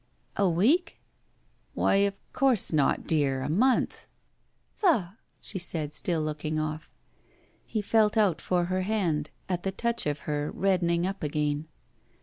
"A week?" 'Why, of course not, dear — a month!" Faugh!" she said, still looking oflf. He felt out for her hand, at the touch of her red dening up again.